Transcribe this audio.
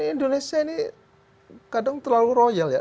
indonesia ini kadang terlalu royal ya